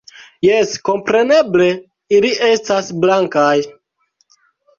Jes, kompreneble, ili estas blankaj...